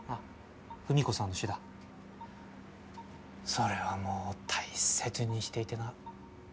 それはもう大切にしていてな。